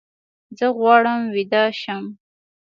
زه غواړم ویده شم